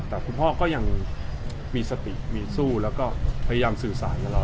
แต่คุณพ่อก็ยังมีสติมีสู้แล้วก็พยายามสื่อสารกับเรา